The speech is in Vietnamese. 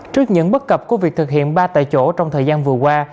trước những bất cập của việc thực hiện ba tại chỗ trong thời gian vừa qua